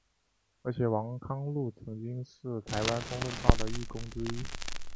而且王康陆曾经是台湾公论报的义工之一。